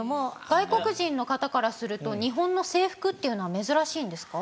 外国人の方からすると日本の制服っていうのは珍しいんですか？